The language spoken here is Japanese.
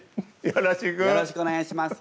よろしくお願いします。